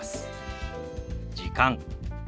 「時間」。